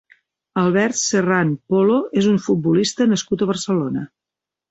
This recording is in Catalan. Albert Serrán Polo és un futbolista nascut a Barcelona.